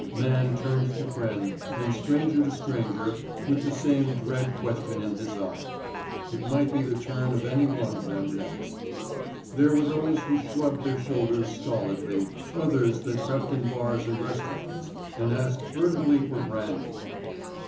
Man turned to friend and stranger to stranger with the same dread question in his eye. It might be the turn of any one of them next. There were those who shrugged their shoulders stolidly, others that crept in bars and restaurants and asked furtively for brandy.